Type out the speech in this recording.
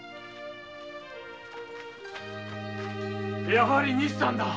やはり西さんだ！